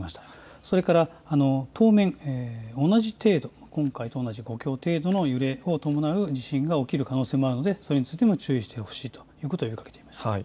それから、当面、同じ程度今回と同じ５強程度の揺れを伴う地震が起きる可能性もあるのでそれについても注意してほしいと呼びかけていました。